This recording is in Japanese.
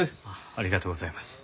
ありがとうございます。